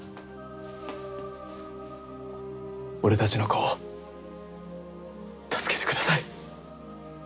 俺たちの子を助けてください。